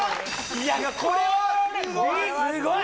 ・いやこれはすごい！